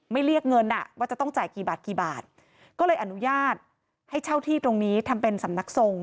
เรียกเงินอ่ะว่าจะต้องจ่ายกี่บาทกี่บาทก็เลยอนุญาตให้เช่าที่ตรงนี้ทำเป็นสำนักทรง